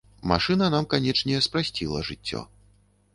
Машына нам, канечне, спрасціла жыццё.